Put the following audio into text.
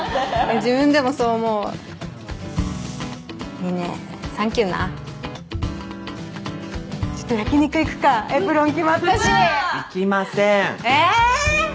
自分でもそう思うみねサンキューなちょっと焼き肉行くかエプロン決まったし行きませんええー！